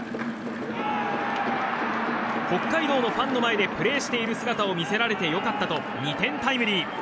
北海道のファンの前でプレーしている姿を見せられてよかったと２点タイムリー。